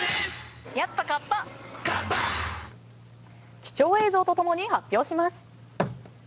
貴重映像と共に発表します。